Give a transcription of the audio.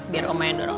biar oma yang dorong